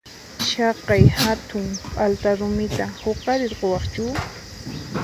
Chaqay hatun p'alta rumita huqarirquwaqchu?